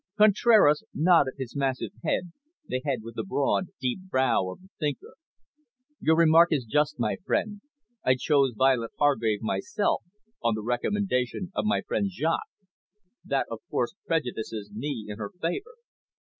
Contraras nodded his massive head, the head with the broad, deep brow of the thinker. "Your remark is just, my friend. I chose Violet Hargrave myself, on the recommendation of my friend Jaques; that, of course, prejudices me in her favour.